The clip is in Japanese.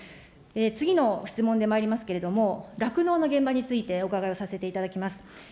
次の質問でまいりますけれども、酪農の現場についてお伺いをさせていただきます。